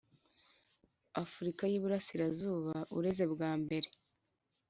Afurika y Iburasirazuba ureze bwa mbere